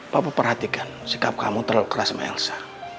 papa perhatikan sikap kamu terlalu keras sama elsa